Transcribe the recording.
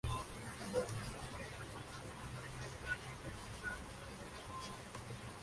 Está disponible en la televisión por cable o simplemente en la televisión sin cables.